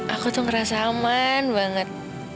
aku tuh ngerasa aman banget